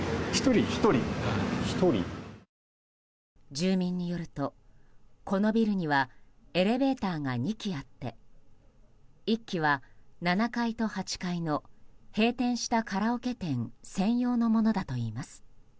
住民によると、このビルにはエレベーターが２基あって１基は、７階と８階の閉店したカラオケ店専用のものだといいます。